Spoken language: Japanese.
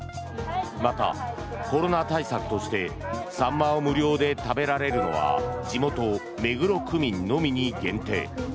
また、コロナ対策としてはサンマを無料で食べられるのは地元、目黒区民のみに限定。